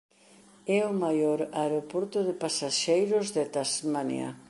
É o maior aeroporto de pasaxeiros de Tasmania.